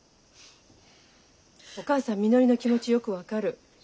お母さんみのりの気持ちよく分かる。